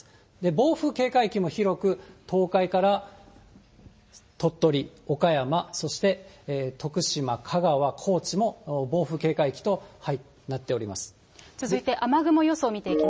暴風警戒域も広く、東海から鳥取、岡山、そして徳島、香川、高知も暴風警戒域となっています。